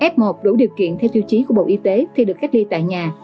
f một đủ điều kiện theo tiêu chí của bộ y tế khi được cách ly tại nhà